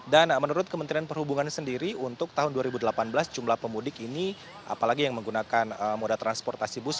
dan menurut kementerian perhubungan sendiri untuk tahun dua ribu delapan belas jumlah pemudik ini apalagi yang menggunakan moda transportasi bus